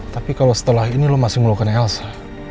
tapi kalau setelah ini lo masih melakukan elsa